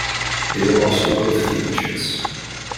They will also both feed the chicks.